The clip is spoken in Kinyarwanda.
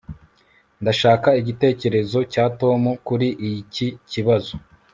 Ndashaka igitekerezo cya Tom kuri iki kibazo